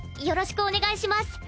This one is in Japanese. よろしくお願いします。